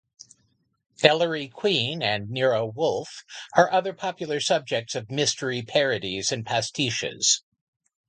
Ellery Queen and Nero Wolfe are other popular subjects of mystery parodies and pastiches.